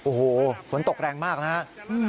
โอ้โหฝนตกแรงมากนะฮะ